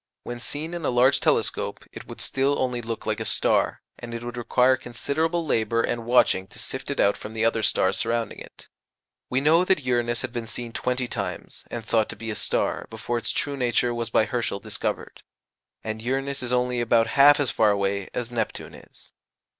When seen in a large telescope it would still only look like a star, and it would require considerable labour and watching to sift it out from the other stars surrounding it. We know that Uranus had been seen twenty times, and thought to be a star, before its true nature was by Herschel discovered; and Uranus is only about half as far away as Neptune is.